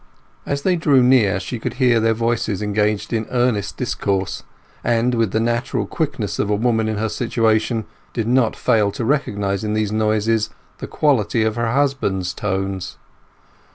As they drew nearer she could hear their voices engaged in earnest discourse, and, with the natural quickness of a woman in her situation, did not fail to recognize in those noises the quality of her husband's tones.